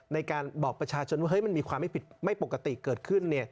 ในการบอกประชาชนว่ามันมีความไม่ผิดไม่ปกติเกิดขึ้น